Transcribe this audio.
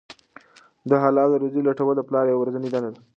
د حلاله روزۍ لټول د پلار یوه ورځنۍ دنده ده.